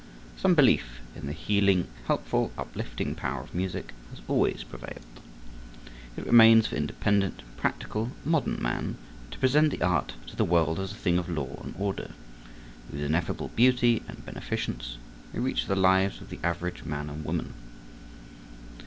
Some belief in the healing, helpful, uplifting power of music has always prevailed. It remains for independent, practical, modern man to present the art to the world as a thing of law and order, whose ineffable beauty and beneficence may reach the lives of the average man and woman.